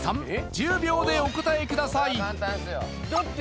１０秒でお答えくださいだって